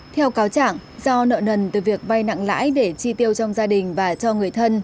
theo cáo trạng do nợ nần từ việc vay nặng lãi để chi tiêu trong gia đình và cho người thân